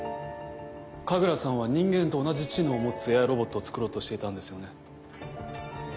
神楽さんは人間と同じ知能を持つＡＩロボットを作ろうとしていたんですよね？